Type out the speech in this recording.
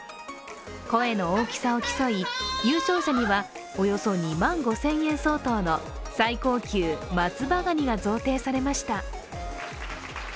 声の大きさを競い、優勝者にはおよそ２万５０００円相当の最高級松葉ガニが贈呈されました。